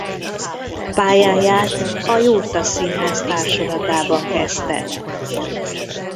Pályáját a Jurta Színház társulatában kezdte.